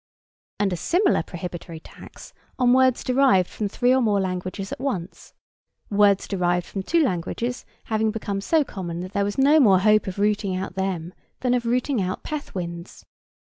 And a similar prohibitory tax on words derived from three or more languages at once; words derived from two languages having become so common that there was no more hope of rooting out them than of rooting out peth winds.